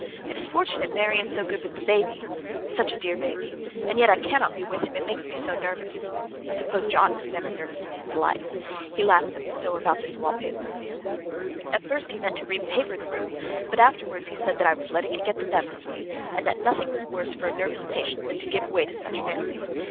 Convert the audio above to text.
It is fortunate Mary is so good with the baby. Such a dear baby! And yet I cannot be with him, it makes me so nervous. I suppose John never was nervous in his life. He laughs at me so about this wallpaper! At first he meant to repaper the room, but afterwards he said that I was letting it get the better of me, and that nothing was worse for a nervous patient than to give way to such fancies.